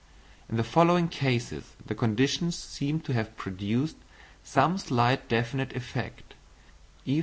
In the following cases the conditions seem to have produced some slight definite effect: E.